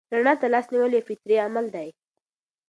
رڼا ته لاس نیول یو فطري عمل دی.